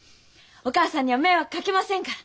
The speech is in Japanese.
お母さんには迷惑かけませんから。